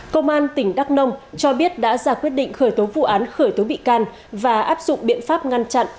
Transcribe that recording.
công an tỉnh đắk nông cho biết đã ra quyết định khởi tố vụ án khởi tố bị can và áp dụng biện pháp ngăn chặn